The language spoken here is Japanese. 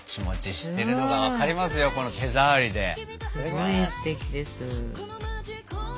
すごいすてきです。